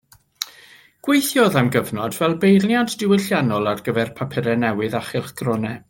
Gweithiodd am gyfnod fel beirniad diwylliannol ar gyfer papurau newydd a chylchgronau.